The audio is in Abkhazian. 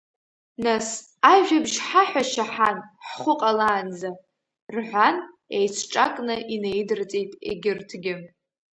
Нас, ажәабжь ҳаҳәа Шьаҳан, ҳхәы ҟалаанӡа, — рҳәан, еицҿакны инаидырҵеит егьырҭгьы.